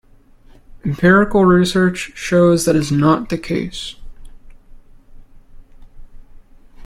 Empirical research shows that is not the case.